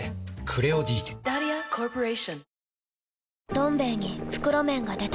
「どん兵衛」に袋麺が出た